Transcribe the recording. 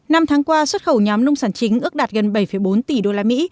năm tháng qua xuất khẩu nhóm nông sản chính ước đạt gần bảy bốn tỷ đô la mỹ